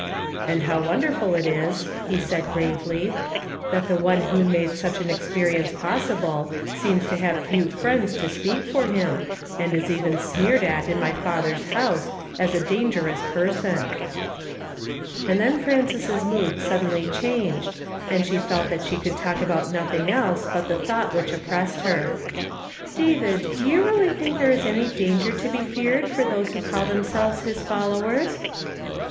"And how Avonderful it is," he said gravely, "that the one who made such an experience possible, seems to have few friends to speak for him, and is even sneered at in my father's house, as a ' dangerous pei son !'" And then Frances's mood suddenly changed, and she felt that she could talk about nothing else but the thought which oppressed her. "David, do you really think there is any danger to be feared for those who call themselves his fol lowers